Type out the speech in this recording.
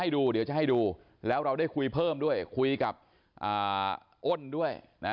ดูเดี๋ยวจะให้ดูแล้วเราได้คุยเพิ่มด้วยคุยกับอ้นด้วยนะ